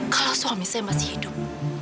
kalau suami saya masih hidup